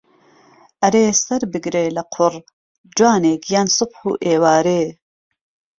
ئهرێ سهر بگرێ له قوڕ جوانێ گیان سوبح و ئێوارێ